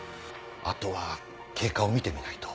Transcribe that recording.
あとは経過を見てみないと。